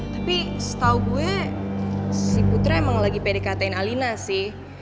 tapi setau gue si putra emang lagi pdkt in alina sih